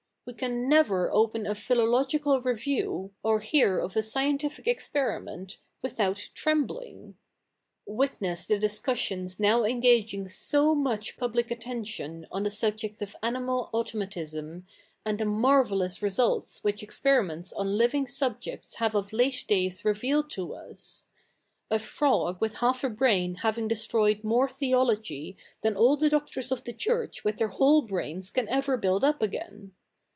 We can never open a philological review, or hear of a scientific experiffient, without tremblifig. Witness the discussions now engaging F 82 THE NEW REPUBLIC [bk. it so much public attention on the subject of animal auto matism^ afid the marvellous results which experimetits on living subjects have of late days revealed to us ; a frog with half a brain having destroyed more theology than all the doctors of the Church with their ivhole brains ca?i ever build up agai?t.